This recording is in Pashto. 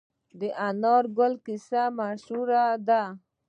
د انار ګل کیسه مشهوره ده.